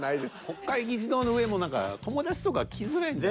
国会議事堂の上も何か友達とか来づらいんじゃない？